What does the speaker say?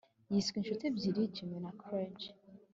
yiswe inshuti ebyiri, jimmy na craig